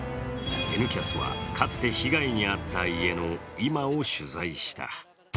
「Ｎキャス」はかつて被害に遭った家の今を取材した。